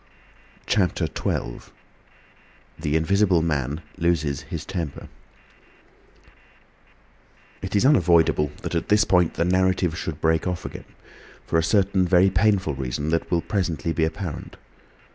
CHAPTER XII. THE INVISIBLE MAN LOSES HIS TEMPER It is unavoidable that at this point the narrative should break off again, for a certain very painful reason that will presently be apparent.